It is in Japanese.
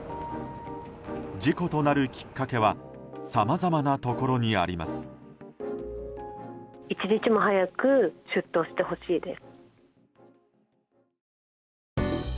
事故となるきっかけはさまざまなところにあります。